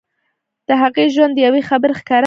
د هغې ژوند د يوې خبرې ښکاره بېلګه ده.